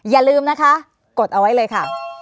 ภารกิจสรรค์ภารกิจสรรค์